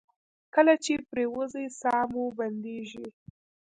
کله چې پریوځئ ساه مو بندیږي؟